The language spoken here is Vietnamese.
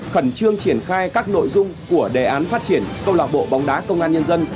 khẩn trương triển khai các nội dung của đề án phát triển công lạc bộ bóng đá công an nhân dân